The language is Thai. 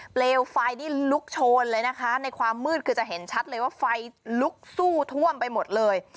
เปลวไฟนี่ลุกโชนเลยนะคะในความมืดคือจะเห็นชัดเลยว่าไฟลุกสู้ท่วมไปหมดเลย